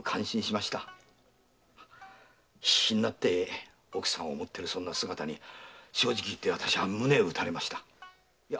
必死になって奥様を想ってるそんな姿に正直言って私は胸を打たれました。